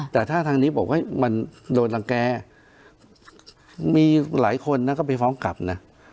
แต่ถ้าทางนี้บอกว่ามันโดนรังแกมีหลายคนนะก็ไปฟ้องกลับนะ